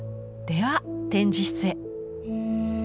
では展示室へ！